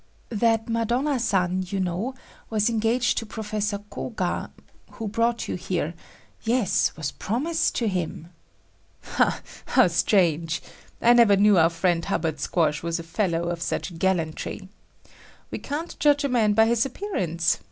"That Madonna san, you know, was engaged to Professor Koga,—who brought you here,—yes, was promised to him." "Ha, how strange! I never knew our friend Hubbard Squash was a fellow of such gallantry. We can't judge a man by his appearance.